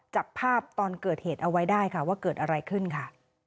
จับภาพตอนเกิดเหตุเอาไว้ได้ค่ะว่าเกิดอะไรขึ้นค่ะ